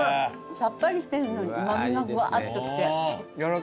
さっぱりしてるのにうまみがふわっときて。